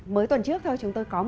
mới tuần trước thôi chúng tôi có